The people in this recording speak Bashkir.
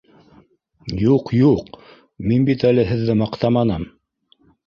— Юҡ, юҡ, мин бит әле һеҙҙе маҡтаманым